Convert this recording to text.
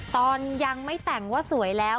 ตอนยังไม่แต่งว่าสวยแล้ว